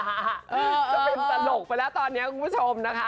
จะเป็นตลกไปแล้วตอนนี้คุณผู้ชมนะคะ